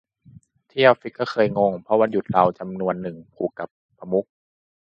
ที่ออฟฟิศก็เคยงง เพราะวันหยุดเราจำนวนนึงผูกกับประมุข